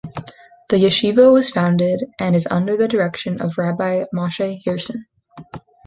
The Yeshiva was founded and is under the direction of Rabbi Moshe Herson.